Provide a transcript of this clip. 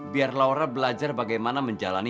biar laura belajar bagaimana menjalani